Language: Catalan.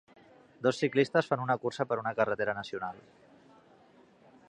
Dos ciclistes fan una cursa per una carretera nacional.